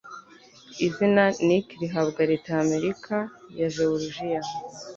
Izina Nick Rihabwa Leta ya Amerika ya Jeworujiya